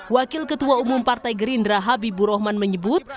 wakil ketua umum partai gerindra habibur rahman menyebut